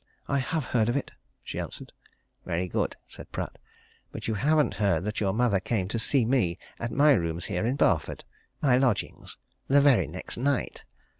"I have heard of it," she answered. "Very good," said Pratt. "But you haven't heard that your mother came to see me at my rooms here in Barford my lodgings the very next night!